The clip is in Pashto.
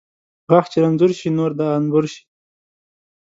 غاښ چې رنځور شي ، نور د انبور شي .